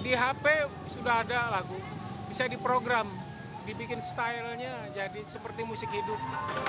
di hp sudah ada lagu bisa diprogram dibikin stylenya jadi seperti musik hidup